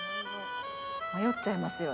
迷っちゃいますよね。